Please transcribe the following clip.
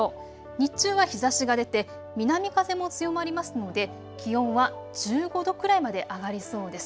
日中は日ざしが出て南風も強まりますので気温は１５度くらいまで上がりそうです。